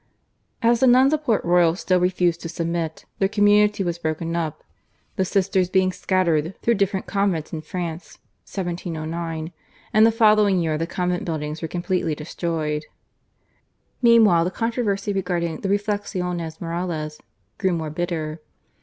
As the nuns of Port Royal still refused to submit, their community was broken up, the sisters being scattered through different convents in France (1709), and the following year the convent buildings were completely destroyed. Meanwhile the controversy regarding the /Reflexions Morales/ grew more bitter.